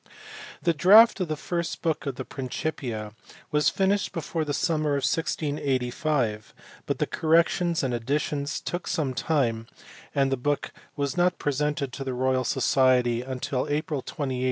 The draft of the first book of the Principia was finished before the summer of 1685, but the corrections and additions took some time, and the book was not presented to the Royal Society until April 28, 1686.